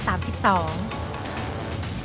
โปรดติดตามตอนต่อไป